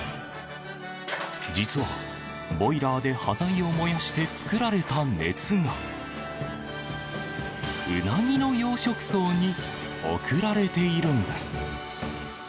実は、ボイラーで端材を燃やして作られた熱がうなぎの養殖槽に送られているんです。